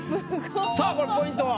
さあこれポイントは？